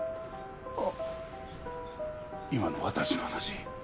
あっ今の私の話。